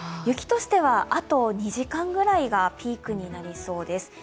雪としてはあと２時間ぐらいがピークになりそうです。